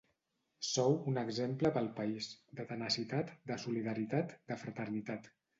Sou un exemple pel país, de tenacitat, de solidaritat, de fraternitat.